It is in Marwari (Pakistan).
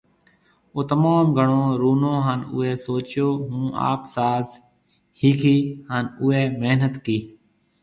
او تموم گھڻو رونو هان اوئي سوچيو هون آپ ساز ۿيکيۿ، هان اوئي محنت ڪي